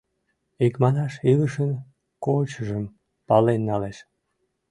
Икманаш, илышын кочыжым пален налеш.